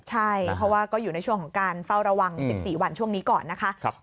ใช่เพราะว่าก็อยู่ในช่วงของการเฝ้าระวัง๑๔วันช่วงนี้ก่อนนะคะ